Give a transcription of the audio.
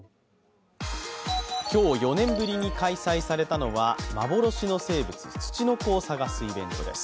今日４年ぶりに開催されたのは幻の生物、つちのこを探すイベントです。